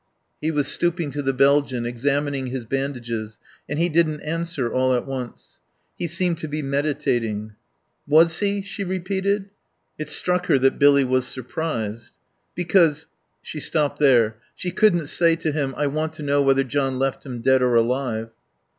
He was stooping to the Belgian, examining his bandages, and he didn't answer all at once. He seemed to be meditating. "Was he?" she repeated. It struck her that Billy was surprised. "Because " She stopped there. She couldn't say to him, "I want to know whether John left him dead or alive."